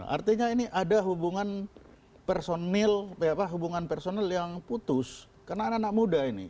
artinya ini ada hubungan personil hubungan personil yang putus karena anak anak muda ini